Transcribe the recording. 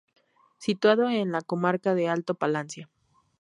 Situado en la comarca del Alto Palancia.